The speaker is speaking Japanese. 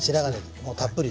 もうたっぷりと。